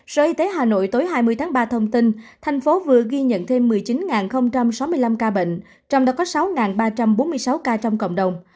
sở y tế hà nội tối hai mươi tháng ba thông tin thành phố vừa ghi nhận thêm một mươi chín sáu mươi năm ca bệnh trong đó có sáu ba trăm bốn mươi sáu ca trong cộng đồng